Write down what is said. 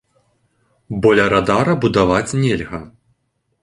Бо ля радара будаваць нельга.